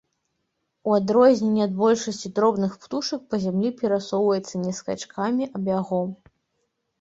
У адрозненне ад большасці дробных птушак па зямлі перасоўваецца не скачкамі, а бягом.